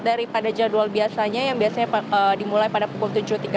daripada jadwal biasanya yang biasanya dimulai pada pukul tujuh tiga puluh